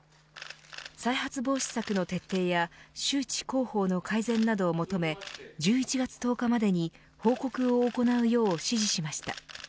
再発防止策の徹底や周知広報の改善などを求め１１月１０日までに報告を行うよう指示しました。